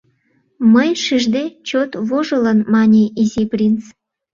— Мый шижде… — чот вожылын, мане Изи принц.